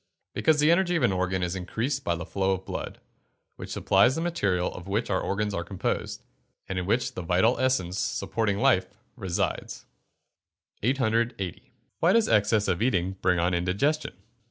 _ Because the energy of an organ is increased by the flow of blood, which supplies the material of which our organs are composed, and in which the vital essence, supporting life, resides. 880. _Why does excess in eating bring on indigestion?